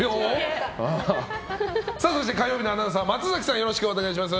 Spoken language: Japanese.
そして火曜日のアナウンサー松崎さん、よろしくお願いします。